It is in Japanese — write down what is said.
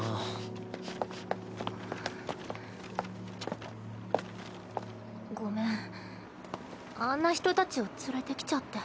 スンスンスンスンごめんあんな人たちを連れてきちゃって。